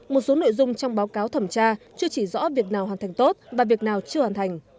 một số nội dung trong báo cáo thẩm tra chưa chỉ rõ việc nào hoàn thành tốt và việc nào chưa hoàn thành